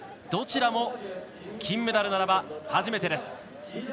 どちらの金メダルならば初めて。